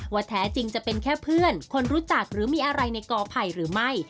แท้จริงจะเป็นแค่เพื่อนคนรู้จักหรือมีอะไรในกอไผ่หรือไม่